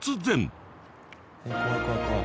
怖い怖い怖い。